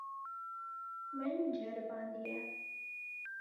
Min ceribandiye.